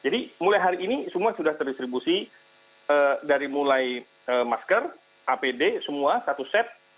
jadi mulai hari ini semua sudah terdistribusi dari mulai masker apd semua satu set